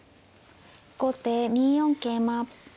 後手２四桂馬。